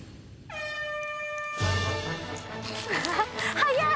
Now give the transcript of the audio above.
早い！